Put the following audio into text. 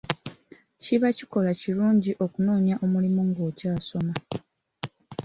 Kiba kikolwa kirungi okunoonya omulimu ng'okyasoma.